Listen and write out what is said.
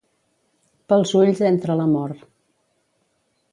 Pels ulls entra l'amor.